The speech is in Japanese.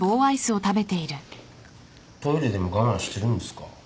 トイレでも我慢してるんですか？